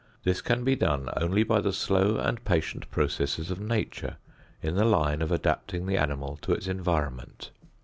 This can be done only by the slow and patient processes of Nature in the line of adapting the animal to its environment.